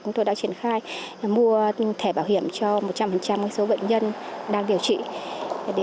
chúng tôi đã triển khai mua thẻ bảo hiểm cho một trăm linh số bệnh nhân đang điều trị